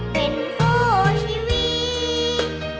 เป็นคู่ชีวิต